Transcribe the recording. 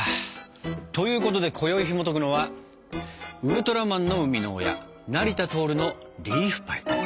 ということでこよいひもとくのは「ウルトラマンの生みの親成田亨のリーフパイ」。